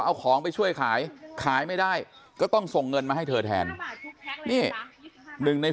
เอาของไปช่วยขายขายไม่ได้ก็ต้องส่งเงินมาให้เธอแทนนี่๑ใน